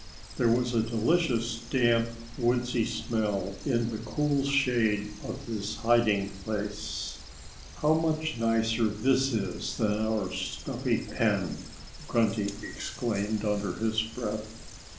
There was a delicious, damp, woodsy smell in the cool shade of his hiding place. "How much nicer this is than our stuffy pen!" Grunty exclaimed under his breath.